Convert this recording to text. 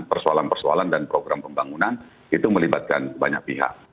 persoalan persoalan dan program pembangunan itu melibatkan banyak pihak